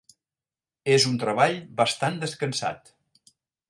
És un treball bastant descansat.